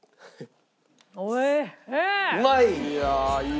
うまい？